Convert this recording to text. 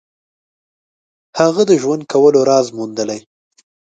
هغه د ژوند کولو راز موندلی.